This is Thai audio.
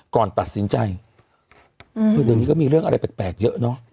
ก่อนตัดสินใจคือเดี๋ยวนี้ก็มีเรื่องอะไรแปลกเยอะเนอะ